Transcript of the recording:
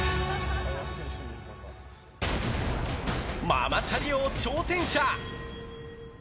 ママチャリ王挑戦者！